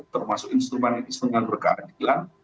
termasuk instrumen yang disengan berkandilan